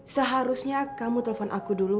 seharusnya kamu telpon aku dulu